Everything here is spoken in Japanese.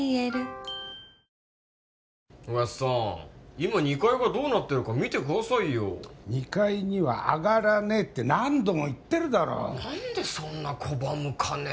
今２階がどうなってるか見てくださいよ２階には上がらねえって何度も言ってるだろ何でそんな拒むかね